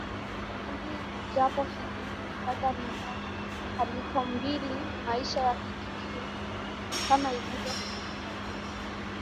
enzi japo hili sasa ni kama halipoMbili Maisha ya kijijini Kama ilivyo makabila